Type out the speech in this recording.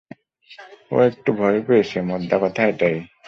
ও একটু ভয় পেয়েছে, মোদ্দাকথা এটাই।